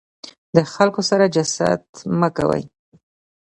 د خلکو سره حسد مه کوی.